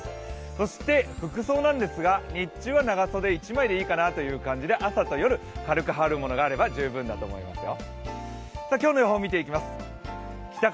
そして服装ですが、日中は長袖１枚でいいかなという感じで、朝と夜、軽く羽織るものがあれば十分だと思いますよ。